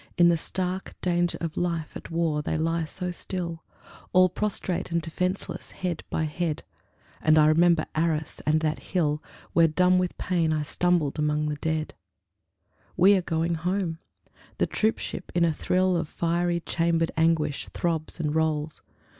In the stark Danger of life at war, they lie so still, All prostrate and defenceless, head by head ... And I remember Arras, and that hill Where dumb with pain I stumbled among the dead. We are going home. The troop ship, in a thrill Of fiery chamber'd anguish, throbs and rolls.